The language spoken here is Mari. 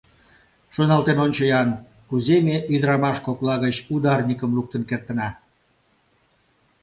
Шоналтен ончо-ян: кузе ме ӱдырамаш кокла гыч ударникым луктын кертына?